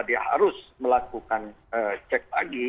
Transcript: dia harus melakukan cek lagi